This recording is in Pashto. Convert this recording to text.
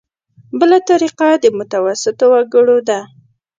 بله طریقه د متوسطو وګړو ده.